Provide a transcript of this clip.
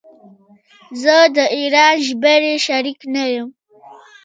زه د ايران ژبني شريک نه يم.